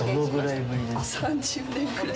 ３０年ぐらい。